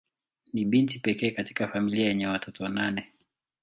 Ni binti pekee katika familia yenye watoto nane.